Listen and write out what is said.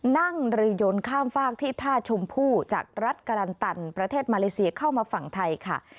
นั่งเรือยนข้ามฝากที่ท่าชมพู่จากรัฐกรันตันประเทศมาเลเซียเข้ามาฝั่งไทยค่ะ